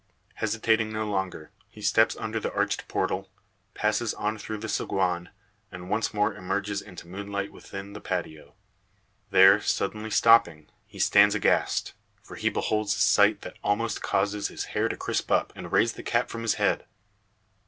Hesitating no longer, he steps under the arched portal, passes on through the saguan, and once more emerges into moonlight within the patio. There, suddenly stopping, he stands aghast. For he beholds a sight that almost causes his hair to crisp up, and raise the cap from his head.